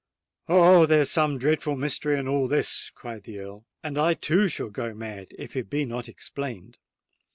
"Oh! there is some dreadful mystery in all this!" cried the Earl; "and I too shall go mad if it be not explained!